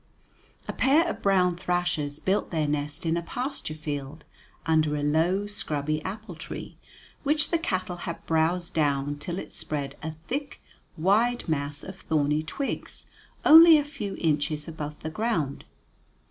A pair of brown thrashers built their nest in a pasture field under a low, scrubby apple tree which the cattle had browsed down till it spread a thick, wide mass of thorny twigs only a few inches above the ground.